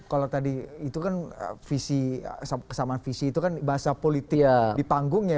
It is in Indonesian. kalau tadi itu kan visi kesamaan visi itu kan bahasa politik di panggung ya